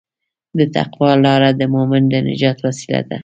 د تقوی لاره د مؤمن د نجات وسیله ده.